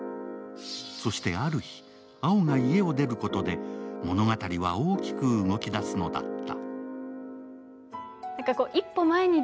そしてある日、蒼が家を出ることで物語は大きく動きだすのだった。